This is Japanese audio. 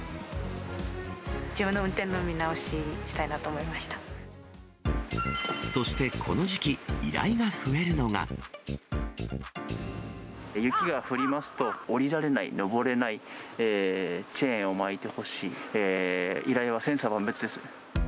自分の運転の見直ししたいなそしてこの時期、雪が降りますと、下りられない、登れない、チェーンを巻いてほしい、依頼は千差万別ですね。